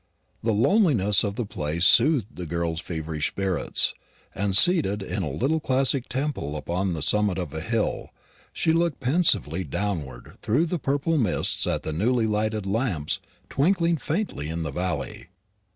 The loneliness of the place soothed the girl's feverish spirits; and, seated in a little classic temple upon the summit of a hill, she looked pensively downward through the purple mists at the newly lighted lamps twinkling faintly in the valley.